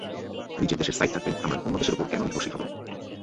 নিজের দেশের সাইট থাকতে আমরা অন্য দেশের ওপর কেন নির্ভরশীল হব।